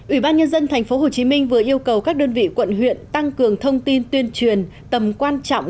ủy ban nhân dân tp hcm vừa yêu cầu các đơn vị quận huyện tăng cường thông tin tuyên truyền tầm quan trọng